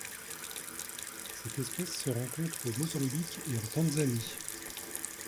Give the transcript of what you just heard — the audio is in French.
Cette espèce se rencontre au Mozambique et en Tanzanie.